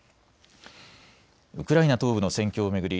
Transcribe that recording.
ウクライナ東部の戦況を巡り